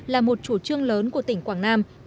là một chủ trương lớn của tỉnh quảng nam